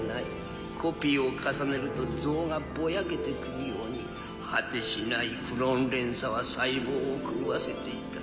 コピーを重ねると像がぼやけてくるように果てしないクローン連鎖は細胞を狂わせていた。